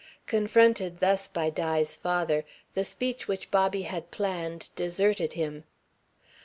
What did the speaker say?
Confronted thus by Di's father, the speech which Bobby had planned deserted him.